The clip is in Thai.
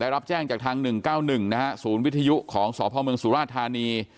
รับแจ้งจากทาง๑๙๑นะฮะศูนย์วิทยุของสพเมืองสุราธานี